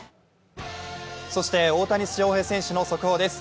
そして大谷翔平選手の速報です。